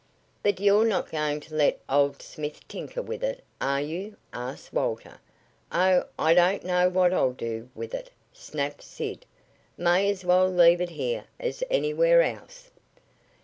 "But you're not going to let old Smith tinker with it, are you?" asked Walter. "Oh, I don't know what I'll do with it!" snapped Sid. "May as well leave it here as anywhere else."